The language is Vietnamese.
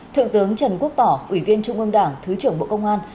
thượng tướng trần quốc tỏ ủy viên trung ương đảng thứ trưởng bộ công an